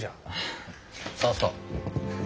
あそうそう。